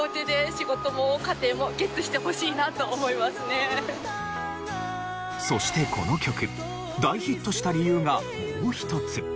この詞にそしてこの曲大ヒットした理由がもう一つ。